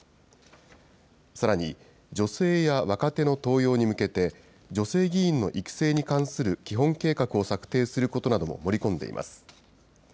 さらに、女性や若手の登用に向けて、女性議員の育成に関する基本計画を策定することなども盛り込んでいます。